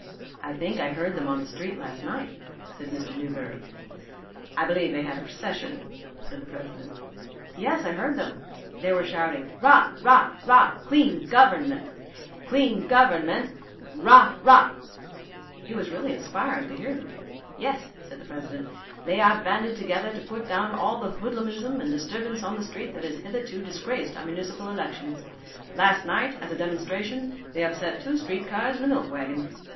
"I think I heard them on the street last night," said Mr. Newberry. "I believe they had a procession," said the president. "Yes, I heard them; they were shouting 'Rah! rah! rah! Clean Government! Clean Government! Rah! rah!' It was really inspiring to hear them." "Yes," said the president, "they are banded together to put down all the hoodlumism and disturbance on the street that has hitherto disgraced our municipal elections. Last night, as a demonstration, they upset two streetcars and a milk wagon."